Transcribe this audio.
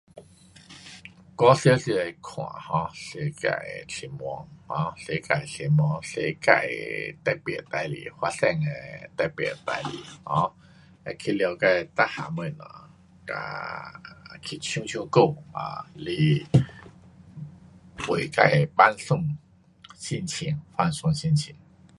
我常常会看 um 世界的新闻。um 世界新闻，世界的特别事情，发生的特别的事情。um 会去了解全部东西跟去唱唱歌 um 是为自的放松心情，放松心情。